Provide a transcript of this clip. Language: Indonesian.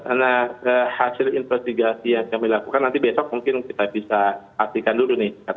karena hasil investigasi yang kami lakukan nanti besok mungkin kita bisa pastikan dulu nih